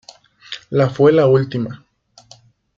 La fue la última.